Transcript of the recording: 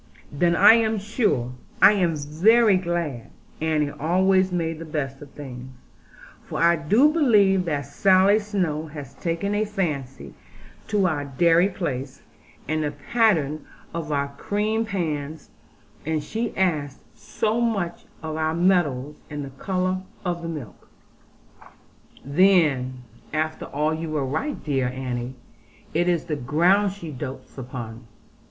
'Then, I am sure, I am very glad,' Annie always made the best of things; 'for I do believe that Sally Snowe has taken a fancy to our dairy place, and the pattern of our cream pans; and she asked so much about our meadows, and the colour of the milk ' 'Then, after all, you were right, dear Annie; it is the ground she dotes upon.'